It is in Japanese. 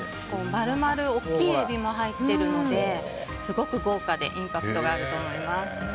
丸々大きいエビも入っているのですごく豪華でインパクトがあると思います。